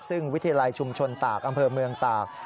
ซึ่งวิทยาลัยชุมชนตากอำเภอเมืองตาก